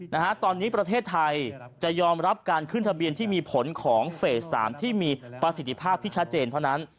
นะฮะตอนนี้ประเทศไทยจะยอมรับการขึ้นทะเบียนที่มีผลของเฟสสามที่มีประสิทธิภาพที่ชัดเจนเท่านั้น